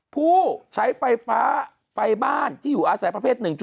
ผู้ใช้ไฟฟ้าไฟบ้านที่อยู่อาศัยประเภท๑๐